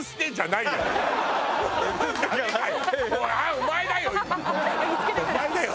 お前だよ